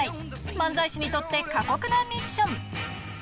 漫才師にとって、過酷なミッション。